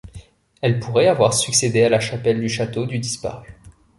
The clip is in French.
Elle pourrait avoir succédé à la chapelle du château du disparu.